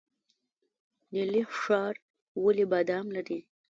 نیلي ښار ولې بادام لري؟